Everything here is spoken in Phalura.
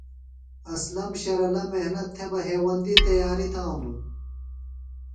اسلم شرلہ محنت تھےۡ ہیوندی تیاری تھانو۔